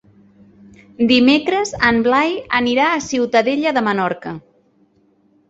Dimecres en Blai anirà a Ciutadella de Menorca.